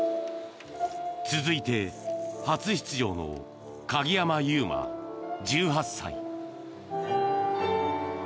続いて初出場の鍵山優真、１８歳。